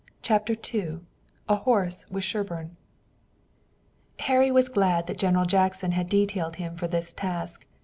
CHAPTER II AHORSE WITH SHERBURNE Harry was glad that General Jackson had detailed him for this task.